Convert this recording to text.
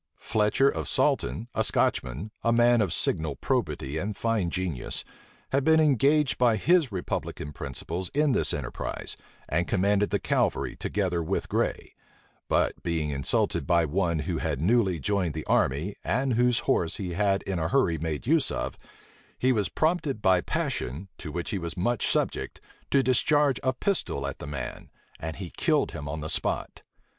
Fletcher of Salton, a Scotchman, a man of signal probity and fine genius, had been engaged by his republican principles in this enterprise, and commanded the cavalry together with Gray; but being insulted by one who had newly joined the army, and whose horse he had in a hurry made use of, he was prompted by passion, to which he was much subject to discharge a pistol at the man; and he killed him on the spot.